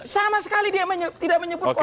sama sekali dia tidak menyebut kocong satu